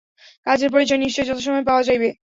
কাজের পরিচয় নিশ্চয় যথাসময়ে পাওয়া যাইবে।